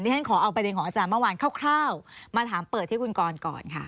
ฉันขอเอาประเด็นของอาจารย์เมื่อวานคร่าวมาถามเปิดที่คุณกรก่อนค่ะ